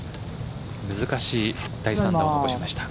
難しい第３打を残しました。